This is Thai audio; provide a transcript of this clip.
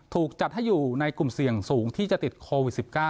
ถูกจัดให้อยู่ในกลุ่มเสี่ยงสูงที่จะติดโควิด๑๙